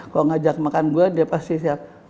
kalau ngajak makan gue dia pasti siap